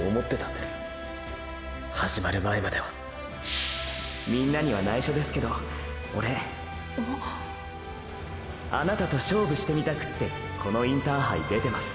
始まる前まではみんなには内緒ですけどオレあなたと勝負してみたくってこのインターハイ出てます。